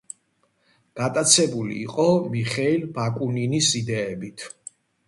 გატაცებული იყო მიხეილ ბაკუნინის იდეებით.